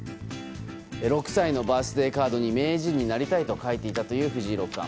６歳のバースデーカードに名人になりたいと書いていたという藤井六冠。